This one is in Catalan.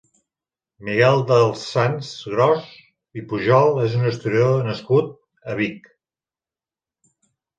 Miquel dels Sants Gros i Pujol és un historiador nascut a Vic.